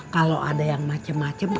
kalo ada yang macem macem